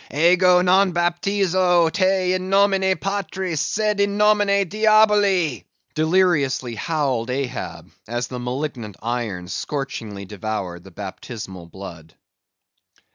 "Ego non baptizo te in nomine patris, sed in nomine diaboli!" deliriously howled Ahab, as the malignant iron scorchingly devoured the baptismal blood.